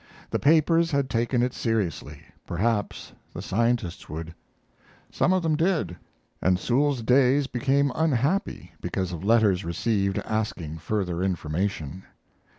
The papers had taken it seriously; perhaps the scientists would. Some of them did, and Sewall's days became unhappy because of letters received asking further information.